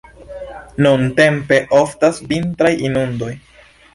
Nuntempe oftas vintraj inundoj.